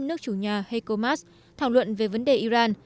nước chủ nhà heiko maas thảo luận về vấn đề iran